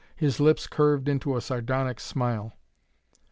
His lips curved into a sardonic smile.